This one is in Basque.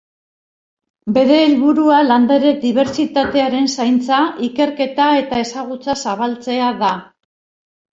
Bere helburua landare dibertsitatearen zaintza, ikerketa eta ezagutza zabaltzea da.